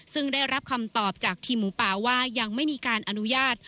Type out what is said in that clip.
ซึ่งได้รับคำตอบจากทีมหมูป่าว่ายังไม่มีการอนุญาต